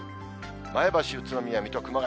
前橋、宇都宮、水戸、熊谷。